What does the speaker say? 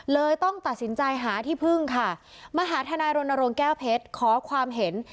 เลยต้องตัดสินใจหาที่พึ่งค่ะมาหาทนายรณรงค์แก้วเพชรขอความเห็น